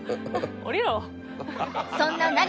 降りろ。